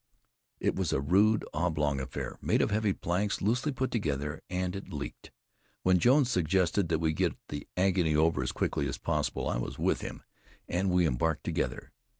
It was a rude, oblong affair, made of heavy planks loosely put together, and it leaked. When Jones suggested that we get the agony over as quickly as possible, I was with him, and we embarked together.